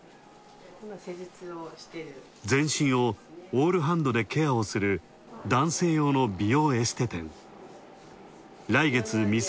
全身をオールハンドでケアをする、男性用の美容エステ店。